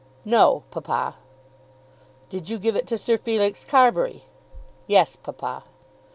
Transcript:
"No, papa." "Did you give it to Sir Felix Carbury?" "Yes, papa."